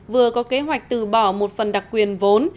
vừa có kế hoạch từ bỏ một phần đặc quyền vốn